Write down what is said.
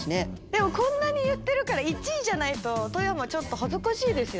でもこんなに言ってるから１位じゃないと富山ちょっと恥ずかしいですよね？